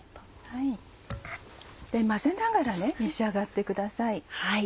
混ぜながら召し上がってください。